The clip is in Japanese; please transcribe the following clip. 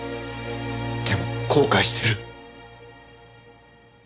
でも後悔してる。